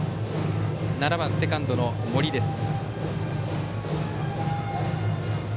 打席には７番、セカンドの森です。